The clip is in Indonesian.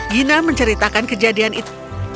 gina menceritakan kejadian itu